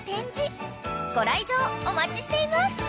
［ご来場お待ちしています］